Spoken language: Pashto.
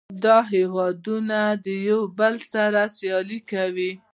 دا هیوادونه د یو بل سره سیالي کوي